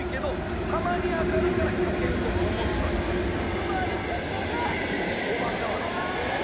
つまりここがおバカ枠。